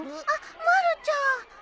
あっまるちゃん。